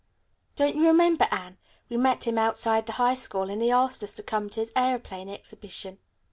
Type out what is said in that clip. Don't you remember Anne, we met him outside the high school, and he asked us to come to his aeroplane exhibition?"